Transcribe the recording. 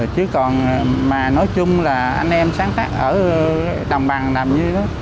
chứ còn mà nói chung là anh em sáng tác ở đồng bằng làm như đó